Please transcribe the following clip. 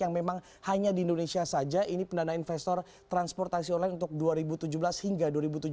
yang memang hanya di indonesia saja ini pendana investor transportasi online untuk dua ribu tujuh belas hingga dua ribu tujuh belas